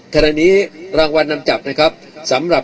คราวนี้รางวัลนำจับนะครับ